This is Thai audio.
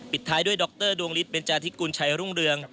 ท้ายด้วยดรดวงฤทธเนจาธิกุลชัยรุ่งเรือง